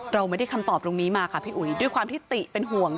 เราไม่ได้คำตอบตรงนี้มาค่ะพี่อุ๋ยด้วยความที่ติเป็นห่วง